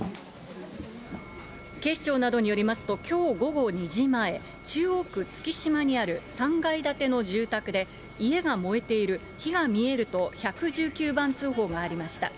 警視庁などによりますと、きょう午後２時前、中央区月島にある３階建ての住宅で、家が燃えている、火が見えると、１１９番通報がありました。